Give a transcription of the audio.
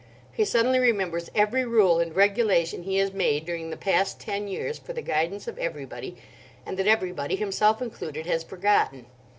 He suddenly remembers every rule and regulation he has made during the past ten years for the guidance of everybody, and that everybody, himself included, has forgotten.